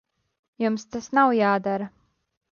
Jums tas nav jādara.